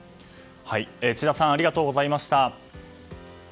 千田さんありがとうございました。